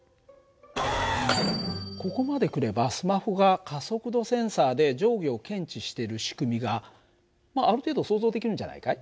ここまでくればスマホが加速度センサーで上下を検知してる仕組みがある程度想像できるんじゃないかい？